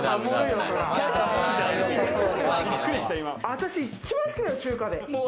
私一番好きだよ、中華で。